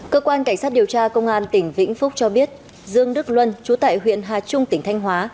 cơ quan cảnh sát điều tra công an tỉnh vĩnh phúc cho biết dương đức luân chú tại huyện hà trung tỉnh thanh hóa